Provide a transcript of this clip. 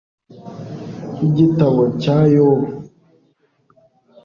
igitabo cya yobu